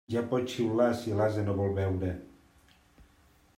Ja pots xiular si l'ase no vol beure.